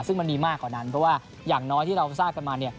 ซึ่งมันมีมากกว่านั้นเพราะว่าอย่างน้อยที่เราทราบกันมาเนี่ย